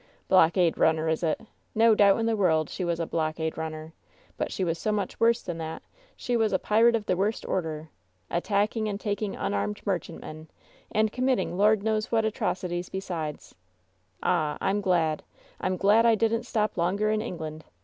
Blockade runner, is it? No doubt in the world she was a blockade runner! But she was so much worse than that that she was a pirate of the worst order! At tacking and taking imarmed merchantmen, and commit ting Lord knows what atrocities besides! Ah! I'm glad — I'm glad I didn't stop longer in England!